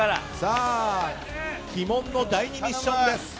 鬼門の第２ミッションです。